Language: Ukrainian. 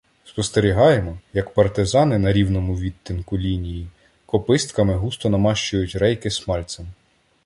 Спостерігаємо, як партизани на рівному відтинку лінії копистками густо намащують рейки смальцем.